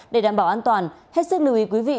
để đảm bảo an toàn hết sức lưu ý quý vị